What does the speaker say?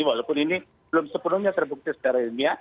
walaupun ini belum sepenuhnya terbukti secara ilmiah